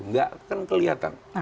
enggak akan kelihatan